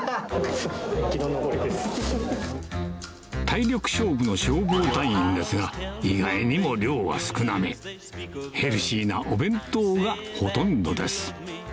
体力勝負の消防隊員ですが意外にも量は少なめヘルシーなお弁当がほとんどです